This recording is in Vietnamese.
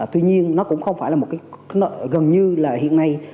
tuy nhiên nó cũng không phải là một cái gần như là hiện nay